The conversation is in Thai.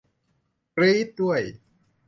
กรี๊ดด้วย